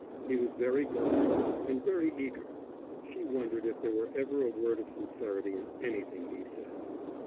He was very gallant and very eager. She wondered if there were ever a word of sincerity in anything he said.